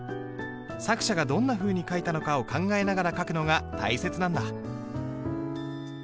作者がどんなふうに書いたのかを考えながら書くのが大切なんだ。